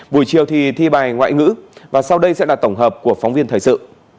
buổi chiều thì thi bài ngoại ngữ và sau đây sẽ là tổng hợp của phóng viên thời sự